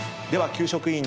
給食委員。